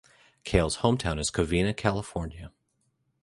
Keil's hometown is Covina, California.